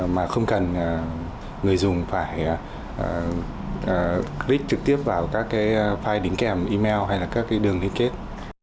mà không cần người dùng phải click trực tiếp vào các cái file đính kèm email hay là các cái đường liên kết